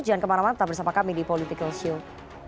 jangan kemana mana tetap bersama kami di political show